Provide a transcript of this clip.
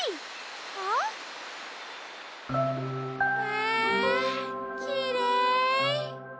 わきれい。